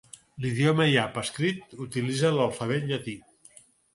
L'idioma yap escrit utilitza l'alfabet llatí.